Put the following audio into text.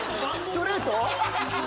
ストレート！？